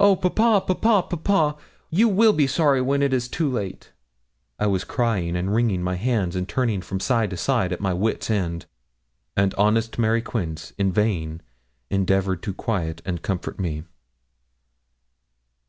Oh, papa, papa, papa! you will be sorry when it is too late.' I was crying and wringing my hands, and turning from side to side, at my wits' ends, and honest Mary Quince in vain endevoured to quiet and comfort me.